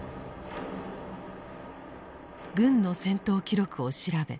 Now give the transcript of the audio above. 軍の戦闘記録を調べ